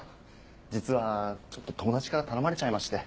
実はちょっと友達から頼まれちゃいまして。